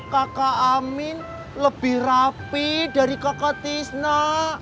kakak amin lebih rapi dari kakak tisna